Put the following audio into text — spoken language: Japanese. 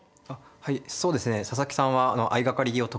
はいそうですね佐々木さんは相掛かりを得意とされる受け